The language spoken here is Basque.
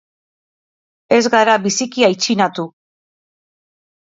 Ez gara biziki aitzinatu.